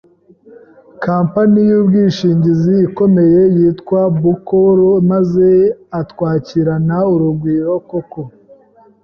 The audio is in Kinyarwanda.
company y’ubwishingizi ikomeye yitwa BUCOR, maze atwakirana urugwiro koko.